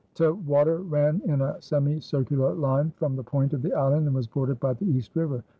'T Water ran in a semi circular line from the point of the island and was bordered by the East River.